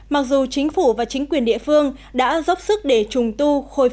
mặc dù chính phủ và chính quyền địa phương đã dốc sức để trùng tu